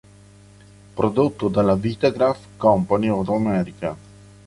Prodotto dalla Vitagraph Company of America.